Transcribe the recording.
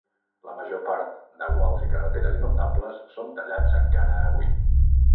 La major part de guals i carreteres inundables són tallats encara avui.